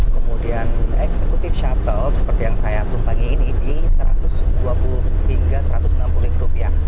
kemudian eksekutif shuttle seperti yang saya tumpangi ini rp satu ratus dua puluh hingga rp satu ratus enam puluh